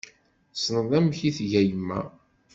Tessneḍ amek i tga yemma.